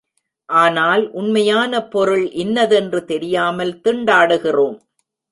ஆனால் உண்மையான பொருள் இன்னதென்று தெரியாமல் திண்டாடுகிறோம்.